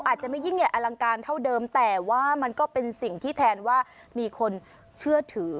อาจจะไม่ยิ่งใหญ่อลังการเท่าเดิมแต่ว่ามันก็เป็นสิ่งที่แทนว่ามีคนเชื่อถือ